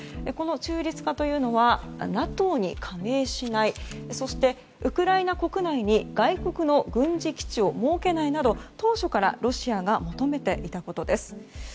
この中立化というのはＮＡＴＯに加盟しないそしてウクライナ国内に外国の軍事基地を設けないなど当初からロシアが求めていたことです。